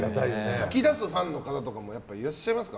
泣き出すファンの方もいらっしゃいますか。